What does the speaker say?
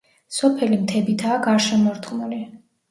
სოფელი მთებითაა გარშემორტყმული.